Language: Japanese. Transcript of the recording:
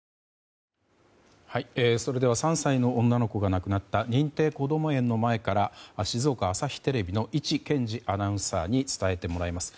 それでは３歳の女の子が亡くなった認定こども園の前から静岡朝日テレビの伊地健治アナウンサーに伝えてもらいます。